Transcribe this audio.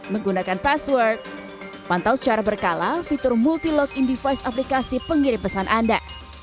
menggunakan password pantau secara berkala fitur multi log in device aplikasi pengirim pesan anda